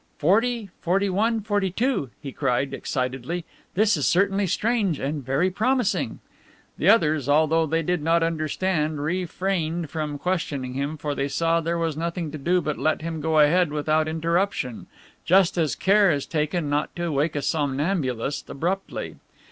"Forty, forty one, forty two," he cried excitedly. "This is certainly strange, and very promising." The others, although they did not understand, refrained from questioning him, for they saw there was nothing to do but let him go ahead without interruption, just as care is taken not to wake a somnambulist abruptly.